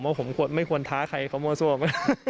ว่าผมควรไม่ควรท้าใครเขาโมส่วม